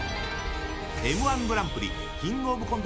「Ｍ‐１グランプリ」「キングオブコント」